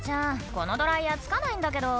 このドライヤーつかないんだけど」